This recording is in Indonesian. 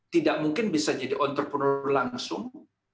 tidak mungkin bisa jadi entrepreneur langsung